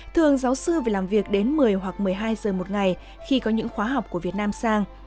thường giáo sư phải làm việc đến một mươi hoặc một mươi hai giờ một ngày khi có những khóa học của việt nam sang